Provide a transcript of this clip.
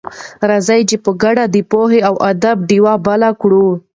راځئ چې په ګډه د پوهې او ادب ډېوې بلې کړو.